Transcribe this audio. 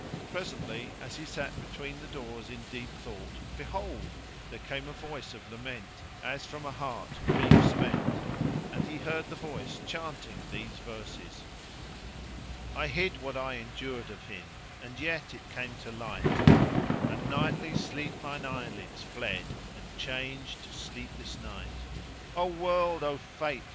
Presently as he sat between the doors in deep thought behold, there came a voice of lament, as from a heart grief spent and he heard the voice chanting these verses:— I hid what I endured of him[FN#110] and yet it came to light, * And nightly sleep mine eyelids fled and changed to sleepless night: Oh world! Oh Fate!